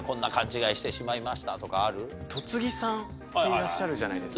戸次さんっていらっしゃるじゃないですか。